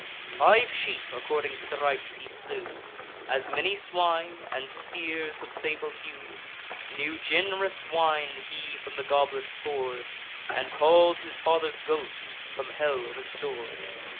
Five sheep, according to the rites, he slew; As many swine, and steers of sable hue; New gen'rous wine he from the goblets pour'd. And call'd his father's ghost, from hell restor'd.